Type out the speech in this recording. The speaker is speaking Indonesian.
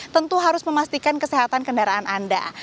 tentu harus memastikan kesehatan kendaraan anda